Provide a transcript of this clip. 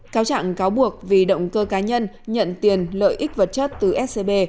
cáo trạng cáo buộc vì động cơ cá nhân nhận tiền lợi ích vật chất từ scb